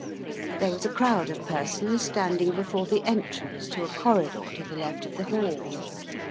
There was a crowd of persons standing before the entrance to a corridor to the left of the hall.